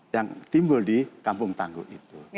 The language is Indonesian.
yang timbul di kampung tangguh itu